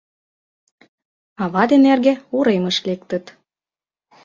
Ава ден эрге уремыш лектыт.